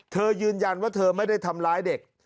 เธอยืนยันว่าเธอไม่ได้ทำร้ายเด็ก